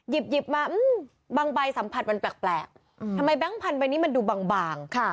หยิบมาบางใบสัมผัสมันแปลกทำไมแบงค์พันธใบนี้มันดูบาง